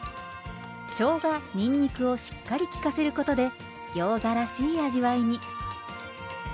しょうがにんにくをしっかり効かせることでギョーザらしい味わいに。